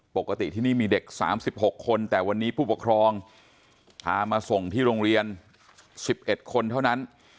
ปกติที่นี่มีเด็ก๓๖คนแต่วันนี้ผู้ปกครองพามาส่งที่โรงเรียน๑๑คนเท่านั้น